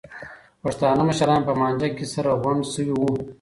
پښتانه مشران په مانجه کې سره غونډ شوي وو.